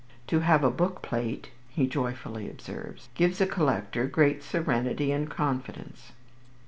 "To have a book plate," he joyfully observes, "gives a collector great serenity and confidence."